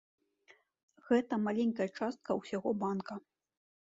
Гэта маленькая частка ўсяго банка.